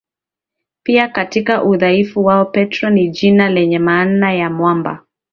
pia katika udhaifu wao Petro ni jina lenye maana ya mwamba